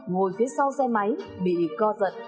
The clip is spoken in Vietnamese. ngồi phía sau xe máy bị co giận